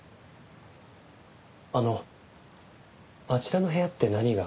あのあちらの部屋って何が？